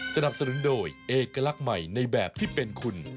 สนับสนุนโดยเอกลักษณ์ใหม่ในแบบที่เป็นคุณ